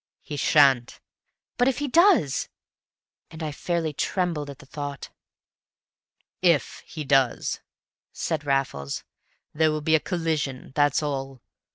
"He sha'n't." "But if he does!" And I fairly trembled at the thought. "If he does," said Raffles, "there will be a collision, that's all.